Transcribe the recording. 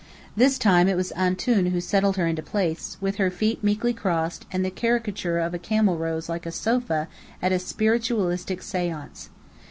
This time it was "Antoun" who settled her into place, with her feet meekly crossed; and the caricature of a camel rose like a sofa at a spiritualistic séance.